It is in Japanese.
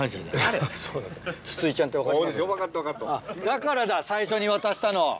だからだ最初に渡したの。